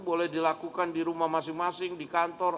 boleh dilakukan di rumah masing masing di kantor